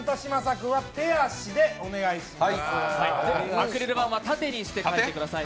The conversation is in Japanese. アクリル板は縦にして描いてください。